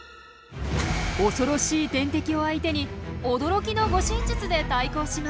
怖ろしい天敵を相手に驚きの護身術で対抗します。